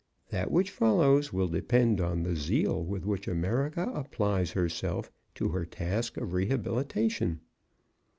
That which follows will depend on the zeal with which America applies herself to her task of rehabilitation."